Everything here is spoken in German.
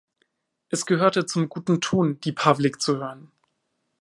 Es gehörte zum guten Ton, die Pawlik zu hören.